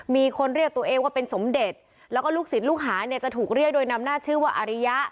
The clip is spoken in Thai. มีคนเรียกตัวเองว่าเป็นสมเด็จแล้วก็ลูกศิษย์ลูกหาเนี่ยจะถูกเรียกโดยนำหน้าชื่อว่าอาริยะ